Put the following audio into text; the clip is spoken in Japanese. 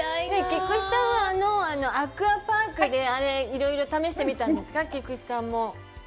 菊地さんは、あのアクアパークでいろいろ試してみたんですか、菊地さんも。